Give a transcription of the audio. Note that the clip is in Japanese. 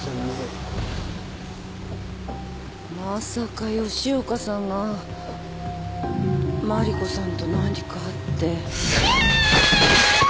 まさか吉岡さんが麻里子さんと何かあって。